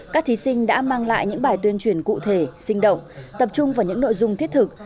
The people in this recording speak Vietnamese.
các thí sinh đã mang lại những bài tuyên truyền cụ thể sinh động tập trung vào những nội dung thiết thực